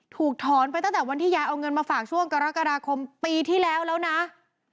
ถูกถอนไปตั้งแต่วันที่ยายเอาเงินมาฝากช่วงกรกฎาคมปีที่แล้วแล้วนะ